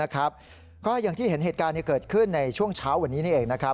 ก็อย่างที่เห็นเหตุการณ์เกิดขึ้นในช่วงเช้าวันนี้นี่เอง